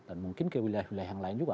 dan mungkin ke wilayah wilayah yang lain juga